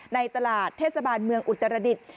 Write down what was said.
ในตลาดเทศบาลเมืองอุตรดิษฐ์